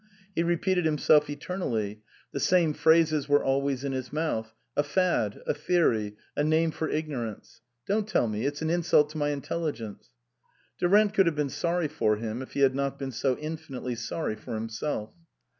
He repeated himself eternally ; the same phrases were always in his mouth. "A fad, a theory, a name for ignorance." " Don't tell me ; it's an insult to my intelligence !" Du rant could have been sorry for him if he had not been so infinitely sorry for himself.